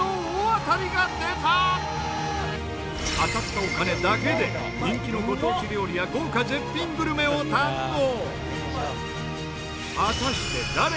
当たったお金だけで人気のご当地料理や豪華絶品グルメを堪能！